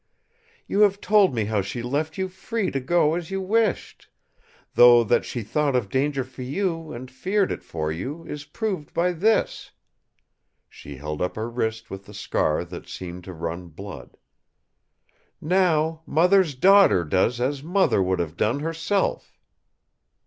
You have told me how she left you free to go as you wished; though that she thought of danger for you and feared it for you, is proved by this!" She held up her wrist with the scar that seemed to run blood. "Now, mother's daughter does as mother would have done herself!"